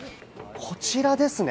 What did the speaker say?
こちらですね。